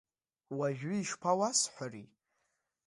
Уажәы, ишԥауасҳәари.